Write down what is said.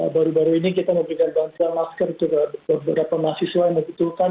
baru baru ini kita memberikan bantuan masker ke beberapa mahasiswa yang membutuhkan